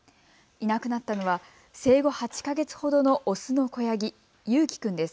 いなくなったのは生後８か月ほどのオスの子ヤギ、ユーキくんです。